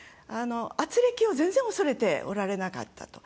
あつれきを全然恐れておられなかったと。